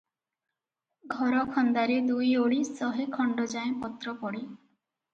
ଘର ଖନ୍ଦାରେ ଦୁଇ ଓଳି ଶହେ ଖଣ୍ଡ ଯାଏଁ ପତ୍ର ପଡ଼େ ।